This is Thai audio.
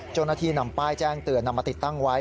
เจ้าหน้าที่นำป้ายแจ้งเตือนนำมาติดตั้งไว้